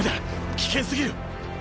危険すぎる。